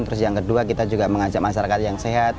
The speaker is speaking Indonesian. terus yang kedua kita juga mengajak masyarakat yang sehat